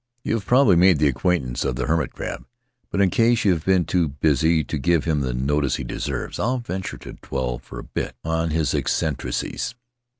You have probably made the acquaintance of the hermit crab, but in case you have been too busy to give him the notice he deserves, I'll venture to dwell for a bit on his eccentricities.